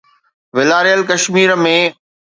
والاريل ڪشمير ۾